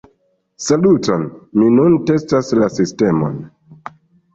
Saluton, mi nun testas la sistemon.